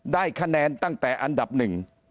ได้คะแนนตั้งแต่อันดับหนึ่ง